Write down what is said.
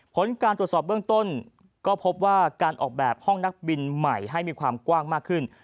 ผลการตรวจสอบเบื้องต้นก็พบว่าการออกแบบห้องนักบินใหม่ให้มีความกว้างมากขึ้น